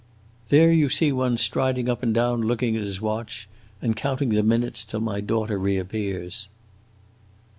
There you see one striding up and down, looking at his watch, and counting the minutes till my daughter reappears!"